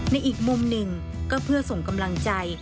อีกมุมหนึ่งก็เพื่อส่งกำลังใจ